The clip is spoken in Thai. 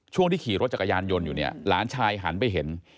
ช่วงที่ขี่รถจักรยานยนต์อยู่เนี่ยหลานชายหันไปเห็น